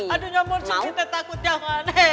aduh nyomot si kita takut jangan